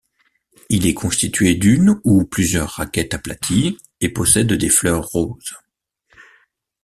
Il est constitué d'une ou plusieurs raquettes aplaties et possède des fleurs roses.